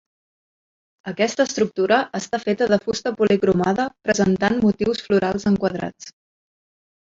Aquesta estructura està feta de fusta policromada presentant motius florals enquadrats.